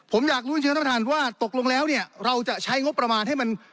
ผมอยากรู้จริงท่านประธานว่าตกลงแล้วเนี่ยเราจะใช้งบประมาณให้มัน